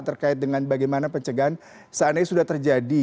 terkait dengan bagaimana pencegahan seandainya sudah terjadi